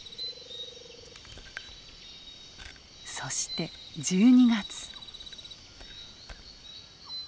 そして１２月。